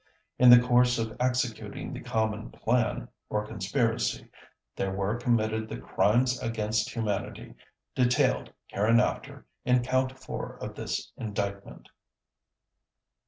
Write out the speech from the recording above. In the course of executing the common plan or conspiracy there were committed the Crimes against Humanity detailed hereinafter in Count Four of this Indictment.